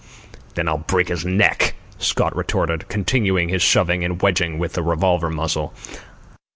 "Then I'll break his neck," Scott retorted, continuing his shoving and wedging with the revolver muzzle.